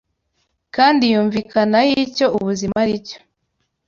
kandi yumvikana y’icyo ubuzima ari cyo